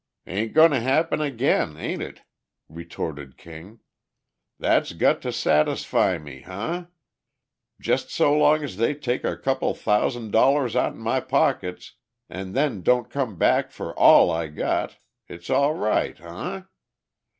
"Ain't goin' to happen again, ain't it?" retorted King. "That's got to satisfy me, huh? Jest so long as they take a couple thousan' dollars out'n my pockets, an' then don't come back for all I got, it's all right, huh?